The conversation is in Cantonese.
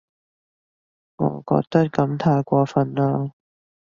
我覺得噉太過份喇